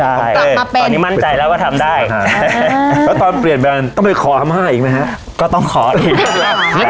ใช่ตอนนี้มั่นใจแล้วว่าทำได้แล้วตอนเปลี่ยนแบรนด์ต้องไปขอพม่าอีกไหมฮะก็ต้องขออีกแล้ว